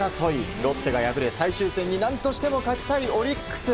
ロッテが敗れ、最終戦に何としても勝ちたいオリックス。